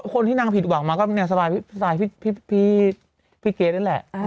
คนที่นางผิดหวังมาก็สไตล์พี่เก๊ดนั่นแหละ